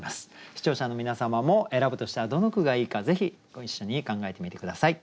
視聴者の皆様も選ぶとしたらどの句がいいかぜひご一緒に考えてみて下さい。